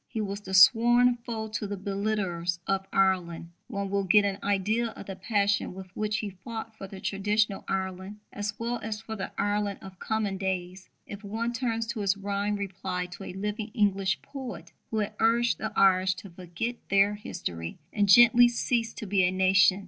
He was the sworn foe of the belittlers of Ireland. One will get an idea of the passion with which he fought for the traditional Ireland, as well as for the Ireland of coming days, if one turns to his rhymed reply to a living English poet who had urged the Irish to forget their history and gently cease to be a nation.